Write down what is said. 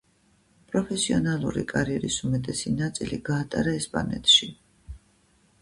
პროფესიონალური კარიერის უმეტესი ნაწილი გაატარა ესპანეთში.